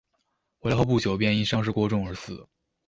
回来后不久便因伤势过重而死。